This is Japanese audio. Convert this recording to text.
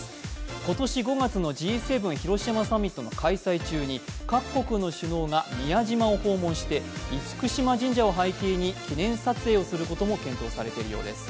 今年５月のＧ７広島サミット開催中に各国の首脳が宮島を訪問して厳島神社を背景に記念撮影をすることも検討されているようです。